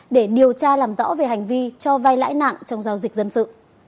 để điều tra làm rõ về hành vi cho vai lãi nặng trong giao dịch dân sự